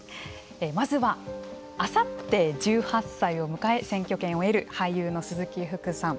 まずは、あさって１８歳を迎え選挙権を得る俳優の鈴木福さん。